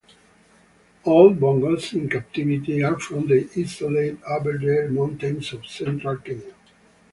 All bongos in captivity are from the isolated Aberdare Mountains of central Kenya.